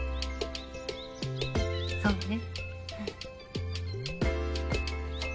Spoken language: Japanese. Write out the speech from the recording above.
そうね。